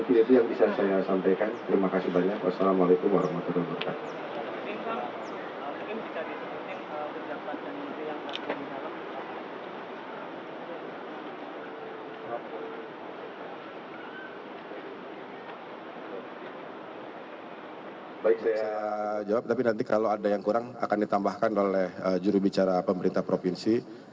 baik saya jawab tapi nanti kalau ada yang kurang akan ditambahkan oleh juri bicara pemerintah provinsi